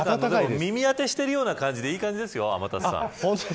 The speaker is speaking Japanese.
耳当てしてるような感じでいい感じですよ、天達さん。